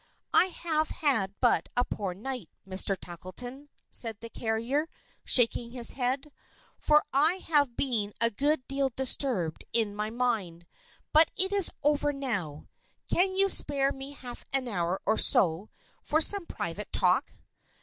"I have had but a poor night, Mr. Tackleton," said the carrier, shaking his head, "for I have been a good deal disturbed in my mind. But it's over now! Can you spare me half an hour or so, for some private talk?"